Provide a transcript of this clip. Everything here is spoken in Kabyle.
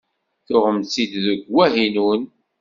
Tuɣem-tt-id deg Wahinun?